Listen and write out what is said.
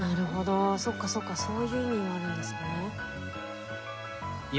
そっかそっかそういう意味があるんですね。